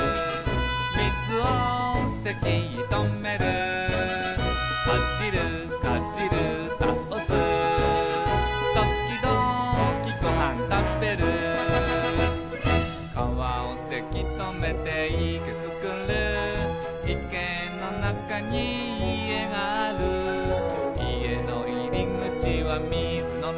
「みずをせきとめる」「かじるかじるたおす」「ときどきごはんたべる」「かわをせきとめていけつくる」「いけのなかに家がある」「家のいりぐちはみずのなか」